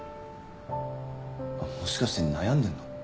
もしかして悩んでんの？